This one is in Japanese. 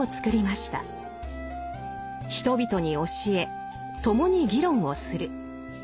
人々に教え共に議論をする。